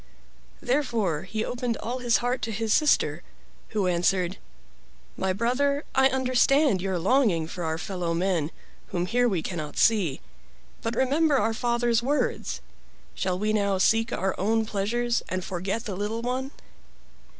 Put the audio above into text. Therefore he opened all his heart to his sister, who answered: "My brother, I understand your longing for our fellow men, whom here we cannot see. But remember our father's words. Shall we not seek our own pleasures and forget the little one?"